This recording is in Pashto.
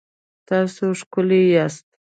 تاسو ښکلي یاست